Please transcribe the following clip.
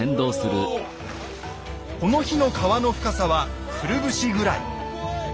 この日の川の深さはくるぶしぐらい。